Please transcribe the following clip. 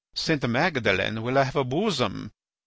St. Magdalen will have a bosom.